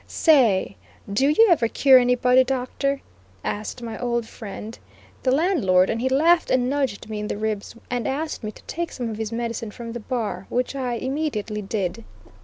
"Say, dew ye ever cure anybody, Doctor?" asked my old friend, the landlord, and he laughed and nudged me in the ribs, and asked me to take some of his medicine from the bar, which I immediately did.